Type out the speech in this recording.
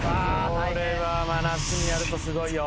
これは真夏にやるとすごいよ。